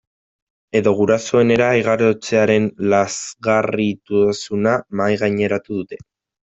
Edo gurasoenera igarotzearen lazgarritasuna mahaigaineratu dute.